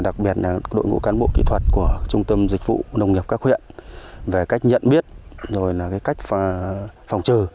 đặc biệt là đội ngũ cán bộ kỹ thuật của trung tâm dịch vụ nông nghiệp các huyện về cách nhận biết rồi là cách phòng trừ